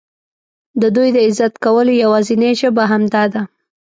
د دوی د عزت کولو یوازینۍ ژبه همدا ده.